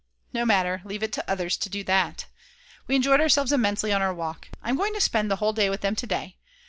No matter, leave it to others to do that. We enjoyed ourselves immensely on our walk. I'm going to spend the whole day with them to day.